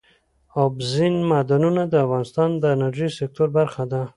اوبزین معدنونه د افغانستان د انرژۍ سکتور برخه ده.